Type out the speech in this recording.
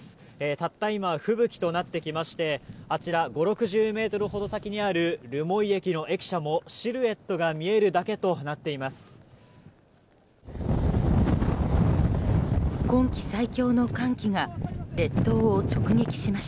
たった今吹雪となってきましてあちら、５０６０ｍ先にある留萌駅の駅舎もシルエットが見えるだけとなっています。